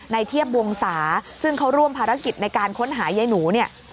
เทียบวงศาซึ่งเขาร่วมภารกิจในการค้นหายายหนูเนี่ย